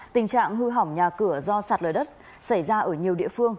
tình trạng hư hỏng nhà cửa do sạt lở đất xảy ra ở nhiều địa phương